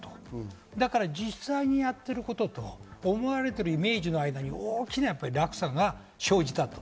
だから実際にやっていることと、思われているイメージの間に落差が生じた。